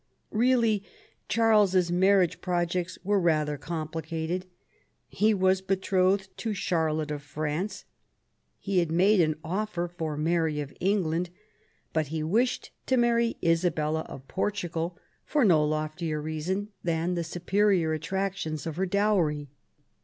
Eeally Charles's marriage projects were rather compKcated ; he was betrothed to Charlotte of France ; he had made an offer for Mary of England ; but he wished to marry Isabella of Portugal for no loftier reason than the superior attractions of her dowry.